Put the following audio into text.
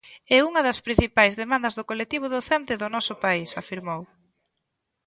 É unha das principais demandas do colectivo docente no noso país, afirmou.